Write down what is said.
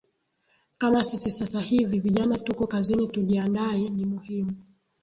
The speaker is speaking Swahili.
kama sisi sasa hivi vijana tuko kazini tujiaandae ni muhimu